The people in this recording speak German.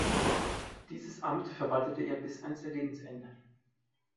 Dieses Amt verwaltete er bis an sein Lebensende.